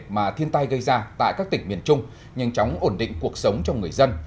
mà thiên tai gây ra tại các tỉnh miền trung nhanh chóng ổn định cuộc sống cho người dân